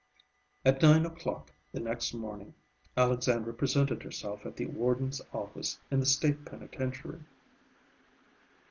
At nine o'clock the next morning Alexandra presented herself at the warden's office in the State Penitentiary.